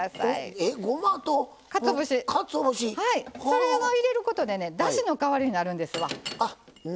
それを入れることでだしの代わりになるんです。